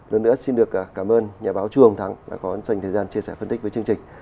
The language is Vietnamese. lớn nữa xin được cảm ơn nhà báo chuồng thắng đã dành thời gian chia sẻ phân tích với chương trình